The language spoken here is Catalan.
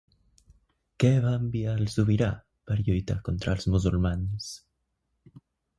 Què va enviar el sobirà per lluitar contra els musulmans?